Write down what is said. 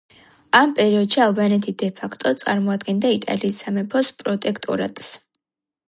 ამ პერიოდში ალბანეთი დე-ფაქტო წარმოადგენდა იტალიის სამეფოს პროტექტორატს.